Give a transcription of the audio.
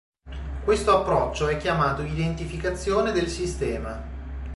Questo approccio è chiamato identificazione del sistema.